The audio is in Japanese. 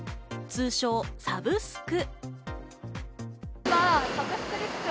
通称サブスク。